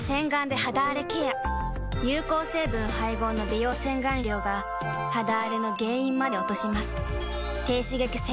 有効成分配合の美容洗顔料が肌あれの原因まで落とします